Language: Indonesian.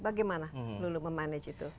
bagaimana luluh memanage itu